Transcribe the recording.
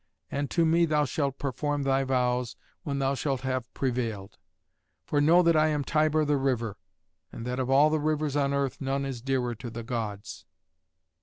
And to me thou shalt perform thy vows when thou shalt have prevailed. For know that I am Tiber the river, and that of all the rivers on earth none is dearer to the Gods."